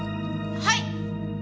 はい！